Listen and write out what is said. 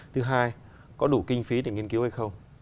thứ hai có đủ kinh phí để nghiên cứu hay không